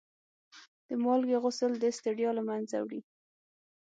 د مالګې غسل د ستړیا له منځه وړي.